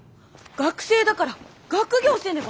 学生だから学業せねば！